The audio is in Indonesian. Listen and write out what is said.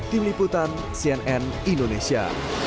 tim liputan cnn indonesia